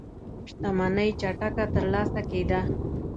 شتمنۍ چټکه ترلاسه کېده.